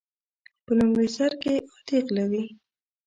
په لومړي سر کې عادي غله وي.